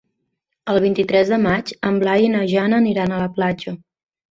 El vint-i-tres de maig en Blai i na Jana aniran a la platja.